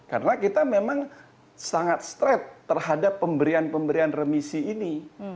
karena kita memang sangat straight terhadap pemberian pemberian remisi ini